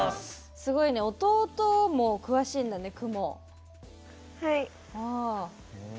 すごいね、弟も詳しいんだね、雲。